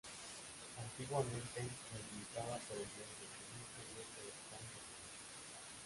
Antiguamente delimitaba por el medio el núcleo viejo del Pont de Suert.